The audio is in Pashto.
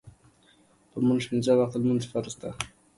پۀ مونږ پينځۀ وخته مونځ فرض دے